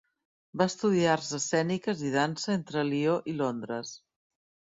Va estudiar arts escèniques i dansa entre Lió i Londres.